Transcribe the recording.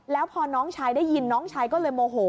แล้วพอน้องชายได้ยินน้องชายก็เลยโมโห